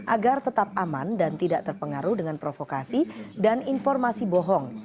agar tetap aman dan tidak terpengaruh dengan provokasi dan informasi bohong